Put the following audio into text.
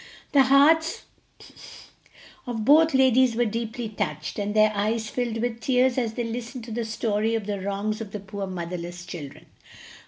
The hearts of both ladies were deeply touched, and their eyes filled with tears as they listened to the story of the wrongs of the poor motherless children.